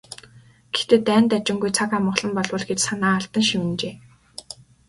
"Гэхдээ дайн дажингүй, цаг амгалан болбол" гэж санаа алдан шивнэжээ.